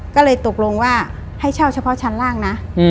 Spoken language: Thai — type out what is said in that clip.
ก็เลยตกลงว่าให้เช่าเฉพาะชั้นล่างนะ